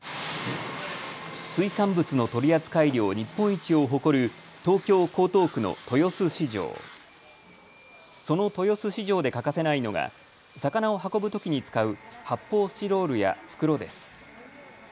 水産物の取扱量日本一を誇る東京江東区の豊洲市場、その豊洲市場で欠かせないのが魚を運ぶときに使う発泡スチロールや袋です。